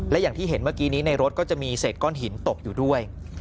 และอย่างที่เห็นเมื่อกี้นี้ในรถก็จะมีเศษก้อนหินตกอยู่ด้วย